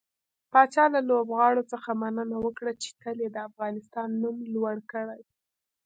پاچا له لوبغاړو څخه مننه وکړه چې تل يې د افغانستان نوم لوړ کړى.